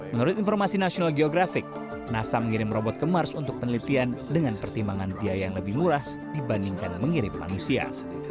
menurut informasi national geographic nasa mengirim robot ke mars untuk penelitian dengan pertimbangan biaya yang lebih murah dibandingkan mengirim manusia